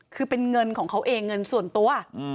คือเป็นเงินของเขาเองเงินส่วนตัว